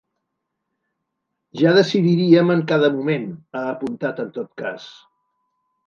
“Ja decidiríem en cada moment”, ha apuntat en tot cas.